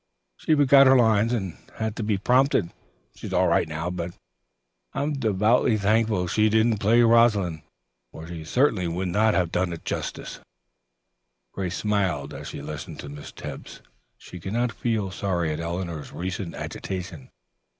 She forgot her lines and had to be prompted. She's all right now, but I am devoutly thankful she didn't play 'Rosalind,' for she certainly would not have done justice to it." Grace smiled grimly as she listened to Miss Tebbs. She could not feel sorry at Eleanor's recent agitation.